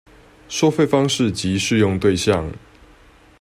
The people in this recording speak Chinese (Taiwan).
收費方式及適用對象